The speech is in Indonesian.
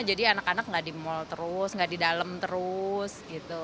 jadi anak anak nggak di mal terus nggak di dalam terus